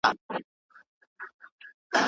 څومره بد باور